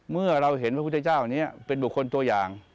เมื่อเราเห็นพระพุทธเจ้านี้เป็นบุคคลตัวอย่าง